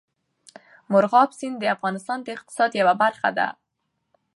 مورغاب سیند د افغانستان د اقتصاد یوه برخه ده.